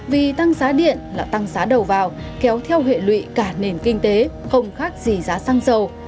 vì tăng giá điện là tăng giá đầu vào kéo theo hệ lụy cả nền kinh tế không khác gì giá xăng dầu